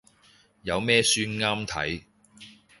有咩書啱睇